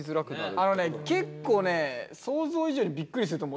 あれね結構ね想像以上にびっくりすると思うよ。